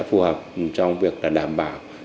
phù hợp trong việc là đảm bảo